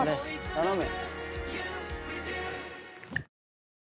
頼む。